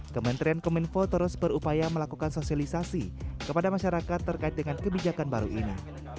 kementerian kominfo terus berupaya melakukan sosialisasi kepada masyarakat terkait dengan kebijakan baru ini